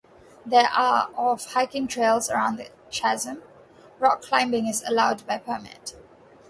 There are of hiking trails around the chasm; rock climbing is allowed by permit.